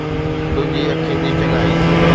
تنهنجي اکين جي چڱائي